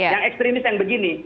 yang ekstremis yang begini